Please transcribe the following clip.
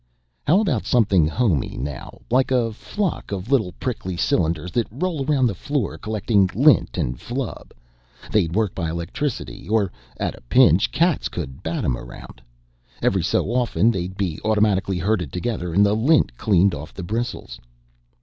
"How about something homey now, like a flock of little prickly cylinders that roll around the floor collecting lint and flub? They'd work by electricity, or at a pinch cats could bat 'em around. Every so often they'd be automatically herded together and the lint cleaned off the bristles."